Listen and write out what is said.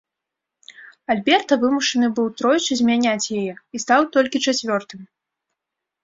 Альберта вымушаны быў тройчы змяняць яе, і стаў толькі чацвёртым.